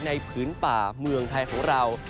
ผืนป่าเมืองไทยของเรา